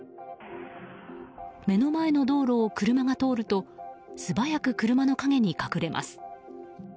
目の前の道路を車が通ると素早く車の陰に隠れます。